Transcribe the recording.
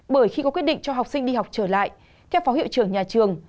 bởi khi có quyết định cho học sinh đi học trở lại theo phó hiệu trưởng nhà trường